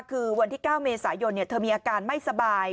คือวันที่๙เมษายนเธอมีอาการไม่สบาย